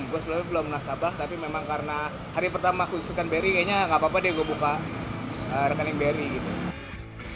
gue sebenarnya belum nasabah tapi memang karena hari pertama aku khususkan bri kayaknya nggak apa apa deh gue buka rekening bri gitu